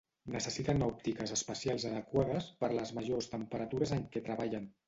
Necessiten òptiques especials adequades per les majors temperatures en què treballen.